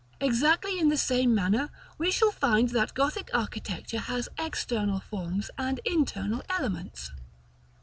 Exactly in the same manner, we shall find that Gothic architecture has external forms, and internal elements.